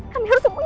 kami harus sembunyi